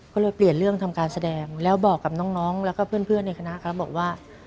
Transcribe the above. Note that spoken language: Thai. ก็เลยเปลี่ยนเรื่องทำการแสดงแล้วบอกกับน้องแล้วก็เพื่อนในคณะครับบอกว่า